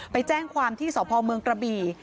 ไปแจ้งความที่สพเมืองกระบี่